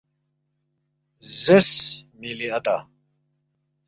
”زیرس مِلی اتا